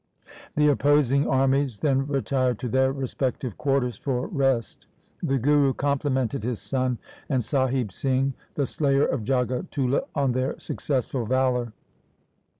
The opposing armies then retired to their respective quarters for rest. The Guru complimented his son and Sahib Singh, the slayer of Jagatullah, on their successful valour.